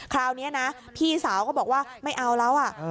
คราวนี้นะพี่สาวก็บอกว่าไม่เอาแล้ว